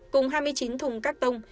cùng hai mươi chín thùng các tông